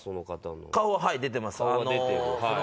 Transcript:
顔は、はい、出てます。